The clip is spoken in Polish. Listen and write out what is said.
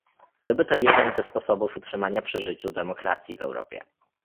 Byłby to jeden ze sposobów utrzymania przy życiu demokracji w Europie